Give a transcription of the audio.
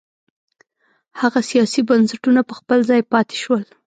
هغه سیاسي بنسټونه په خپل ځای پاتې شول.